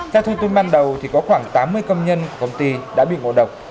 theo thông tin ban đầu có khoảng tám mươi công nhân của công ty đã bị ngộ độc